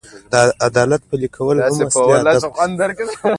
د عدالت پلي کول هم اصلي هدف واوسي.